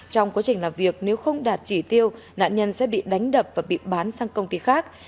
trong quá trình làm việc nếu không đạt chỉ tiêu nạn nhân sẽ bị đánh đập và bị bán sang công ty khác